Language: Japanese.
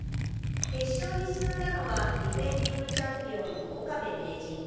決勝に進んだのはディフェンディングチャンピオンの岡部名人。